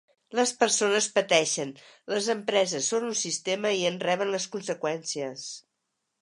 Les persones pateixen, les empreses són un sistema i en reben les conseqüències.